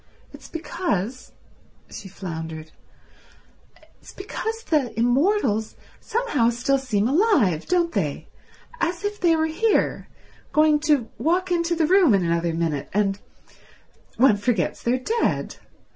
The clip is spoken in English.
"It's because"—she floundered—"it's because the immortals somehow still seem alive, don't they—as if they were here, going to walk into the room in another minute—and one forgets they are dead.